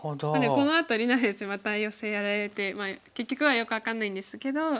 このあと里菜先生またヨセやられてまあ結局はよく分かんないんですけど。